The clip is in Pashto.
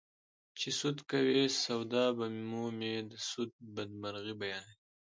چې سود کوې سودا به مومې د سود بدمرغي بیانوي